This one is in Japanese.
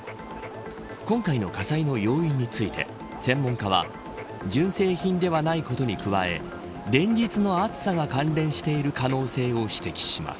今回の火災の要因について専門家は純製品ではないことに加え連日の暑さが関連している可能性を指摘します。